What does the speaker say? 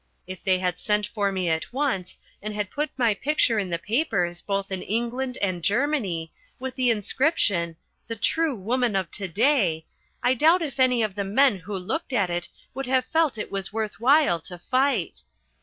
If they had sent for me at once and had put my picture in the papers both in England and Germany, with the inscription 'The True Woman of To day,' I doubt if any of the men who looked at it would have felt that it was worth while to fight.